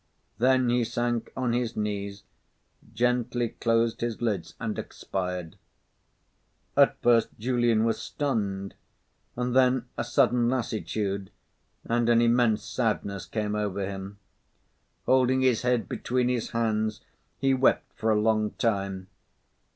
Then he sank on his knees, gently closed his lids and expired. At first Julian was stunned, and then a sudden lassitude and an immense sadness came over him. Holding his head between his hands, he wept for a long time.